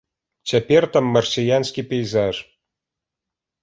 Цяпер там марсіянскі пейзаж.